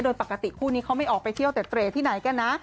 โดยปกติคู่นี้เขาไม่ออกไปเที่ยวเต็ดที่ไหนกันนะ